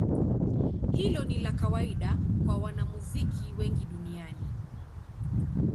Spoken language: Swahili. Hilo ni la kawaida kwa wanamuziki wengi duniani.